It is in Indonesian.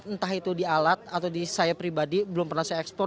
entah itu di alat atau di saya pribadi belum pernah saya ekspor